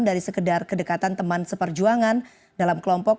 dari sekedar kedekatan teman seperjuangan dalam kelompok